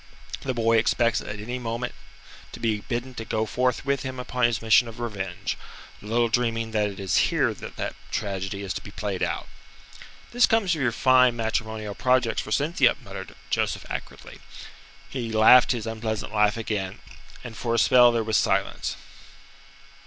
The boy expects at any moment to be bidden to go forth with him upon his mission of revenge, little dreaming that it is here that that tragedy is to be played out." "This comes of your fine matrimonial projects for Cynthia," muttered Joseph acridly. He laughed his unpleasant laugh again, and for a spell there was silence.